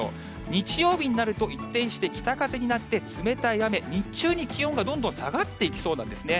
日曜日になると、一転して北風になって、冷たい雨、日中に気温がどんどん下がっていきそうなんですね。